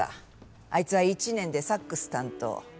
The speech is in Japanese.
あいつは１年でサックス担当。